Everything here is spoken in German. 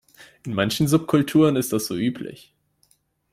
In manchen Subkulturen ist das so üblich.